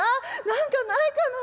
何かないかな。